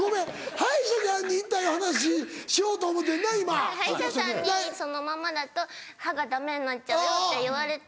歯医者さんに「そのままだと歯がダメになっちゃうよ」って言われた。